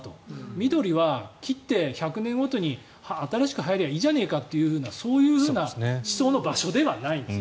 緑は、切って１００年ごとに新しく生えればいいじゃないかとかそういうふうな思想の場所ではないんです。